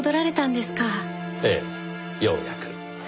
ええようやく。